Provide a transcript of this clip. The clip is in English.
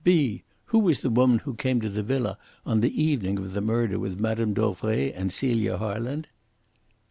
(b) Who was the woman who came to the villa on the evening of the murder with Mme. Dauvray and Celia Harland?